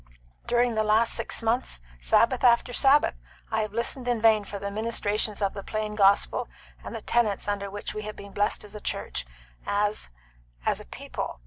During the last six months, Sabbath after Sabbath, I have listened in vain for the ministrations of the plain gospel and the tenets under which we have been blessed as a church and as a people.